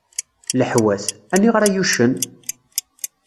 Leḥwat: Aniγer ay uccen?